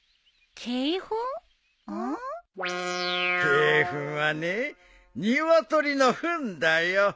鶏ふんはねニワトリのふんだよ。